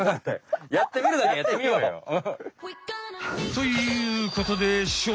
やってみるだけやってみようよ。ということでしょう